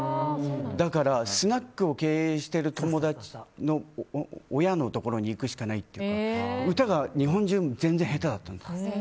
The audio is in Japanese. だから、スナックを経営している友達の親のところに行くしかないというか歌が日本中下手だったんですよ。